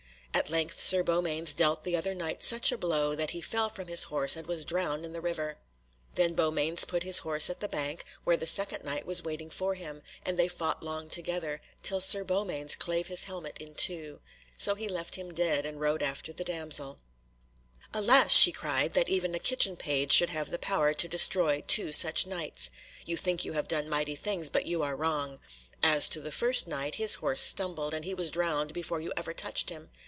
At length Sir Beaumains dealt the other Knight such a blow that he fell from his horse, and was drowned in the river. Then Beaumains put his horse at the bank, where the second Knight was waiting for him, and they fought long together, till Sir Beaumains clave his helmet in two. So he left him dead, and rode after the damsel. [Illustration: LINET AND THE BLACK KNIGHT] "Alas!" she cried, "that even a kitchen page should have power to destroy two such Knights! You think you have done mighty things, but you are wrong! As to the first Knight, his horse stumbled, and he was drowned before you ever touched him.